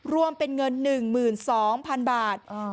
รวมเป็นเงินหนึ่งหมื่นสองพันบาทอ่า